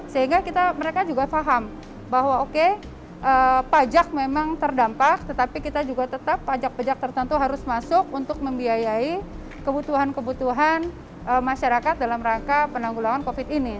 sehingga mereka juga paham bahwa oke pajak memang terdampak tetapi kita juga tetap pajak pajak tertentu harus masuk untuk membiayai kebutuhan kebutuhan masyarakat dalam rangka penanggulangan covid ini